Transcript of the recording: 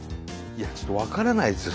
ちょっと分からないですよ